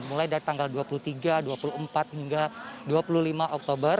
mulai dari tanggal dua puluh tiga dua puluh empat hingga dua puluh lima oktober